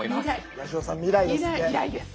八代さん未来ですよ。